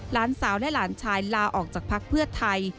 หลานสาวและหลานชายลาออกจากพักเพื่อไทย